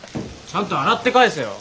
ちゃんと洗って返せよ。